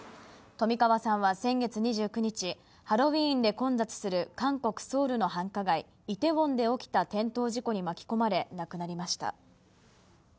冨川さんは先月２９日、ハロウィーンで混雑する韓国・ソウルの繁華街、イテウォンで起きた転倒事故に巻き込まれ、亡くなりました。